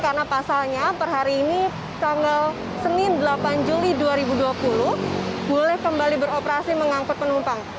karena pasalnya per hari ini tanggal senin delapan juli dua ribu dua puluh boleh kembali beroperasi mengangkut penumpang